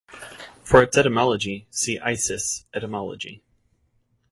For its etymology see Isis - Etymology.